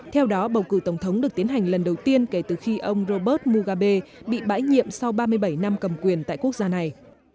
theo đó bầu cử tổng thống được tiến hành lần đầu tiên kể từ khi ông robert mugabe bị bãi nhiệm sau ba mươi bảy năm cầm quyền tại quốc gia này